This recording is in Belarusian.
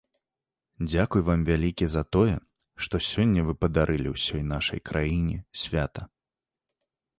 Дзякуй вам вялікі за тое, што сёння вы падарылі ўсёй нашай краіне свята.